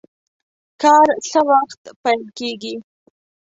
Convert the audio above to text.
کار څه وخت پیل کیږي؟